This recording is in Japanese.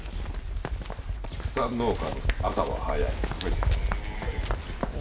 「畜産農家の朝は早い」。